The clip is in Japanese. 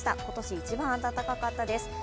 今年一番温かかったです。